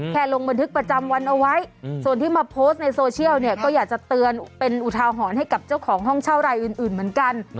ลงบันทึกประจำวันเอาไว้ส่วนที่มาโพสต์ในโซเชียลเนี่ยก็อยากจะเตือนเป็นอุทาหรณ์ให้กับเจ้าของห้องเช่ารายอื่นเหมือนกัน